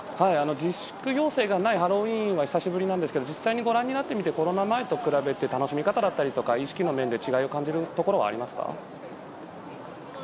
自粛要請がないハロウィーンは久しぶりなんですが実際にご覧になってみてコロナ前と比べて楽しみ方だったり、意識の面で違いを感じるところはありますか。